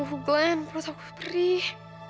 tuh glenn perut aku perih